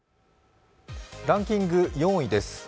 ランキング４位です。